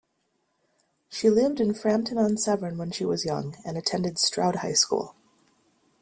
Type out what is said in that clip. She lived in Frampton-on-Severn when she was young, and attended Stroud High School.